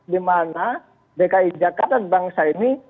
dimana dki jakarta dan bangsa ini